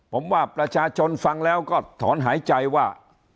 ผมว่าประชาชนฟังแล้วก็ถอนหายใจว่า